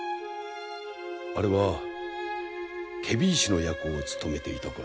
あれは検非違使の役を務めていた頃。